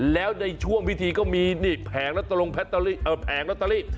แล้วในช่วงวิธีก็มีนี่แผงและตะลิ